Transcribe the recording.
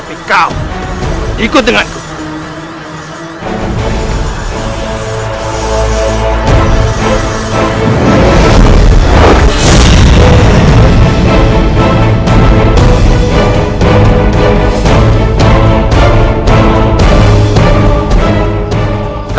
tapi kau ikut denganku